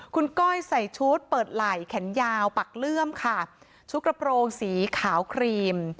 คุณก้อยใส่ชุดเปิดไหล่แขนยาวปักเลื่อมค่ะชุดกระโปรงสีขาวครีม